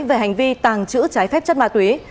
về hành vi tàng trữ trái phép chất ma túy